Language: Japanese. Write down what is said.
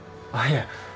あっいえ。